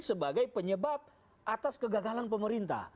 sebagai penyebab atas kegagalan pemerintah